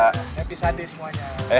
happy sunday semuanya